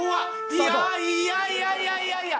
いやいやいやいやいや。